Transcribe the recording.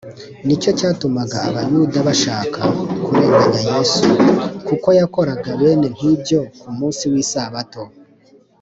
“Nicyo cyatumaga Abayuda bashaka kurenganya Yesu, kuko yakoraga bene nk’ibyo ku munsi w’Isabato.”